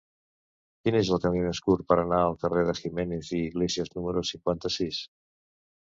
Quin és el camí més curt per anar al carrer de Jiménez i Iglesias número cinquanta-sis?